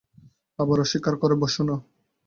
আবার অস্বীকার করে বসো না।